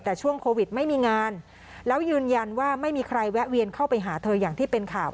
แต่ช่วงโควิดไม่มีงานแล้วยืนยันว่าไม่มีใครแวะเวียนเข้าไปหาเธออย่างที่เป็นข่าว